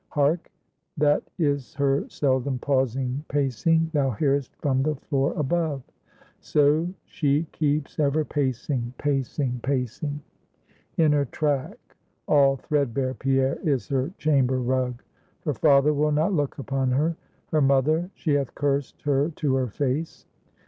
Hark! that is her seldom pausing pacing thou hearest from the floor above. So she keeps ever pacing, pacing, pacing; in her track, all thread bare, Pierre, is her chamber rug. Her father will not look upon her; her mother, she hath cursed her to her face.